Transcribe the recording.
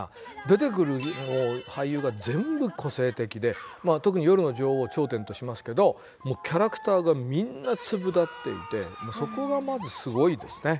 出てくる俳優が全部個性的で特に夜の女王を頂点としますけどキャラクターがみんな粒立っていてそこがまずすごいですね。